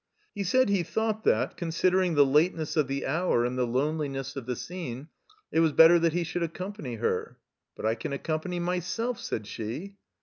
He said he thought that, considering the lateness of the hour and the loneliness of the scene, it was better that he should accompany her. "But I can accompany myself," said she.